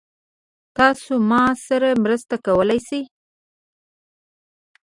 تاسو ما سره مرسته کولی شئ؟